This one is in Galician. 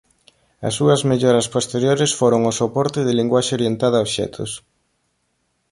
As súas melloras posteriores foron o soporte de linguaxe orientada a obxectos.